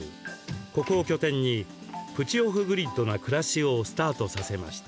ここを拠点にプチオフグリッドな暮らしをスタートさせました。